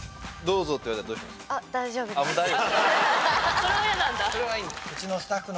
それは嫌なんだ